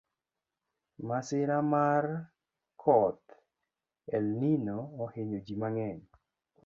Masira mar koth elnino ohinyo ji mang’eny